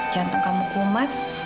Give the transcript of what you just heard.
jantung kamu kumat